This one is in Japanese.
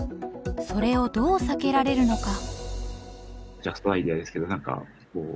それをどう避けられるのか？